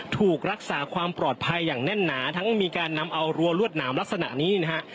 ถูกรักษาความปลอดภัยอย่างแน่นหนาทั้งมีการนำเอารัวรวดหนามลักษณะนี้นะฮะ